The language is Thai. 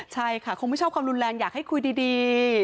ใช่ค่ะคงไม่ชอบความรุนแรงอยากให้คุยดี